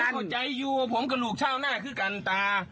เข้าใจอยู่ว่าผมกับลูกเช่าหน้าคือกันตา